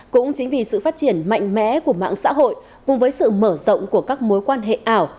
cũng chính vì sự phát triển mạnh mẽ của mạng xã hội cùng với sự mở rộng của các mối quan hệ ảo